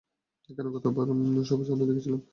এখানে গতবার আসার পর, সবুজ আলো দেখেছিলাম।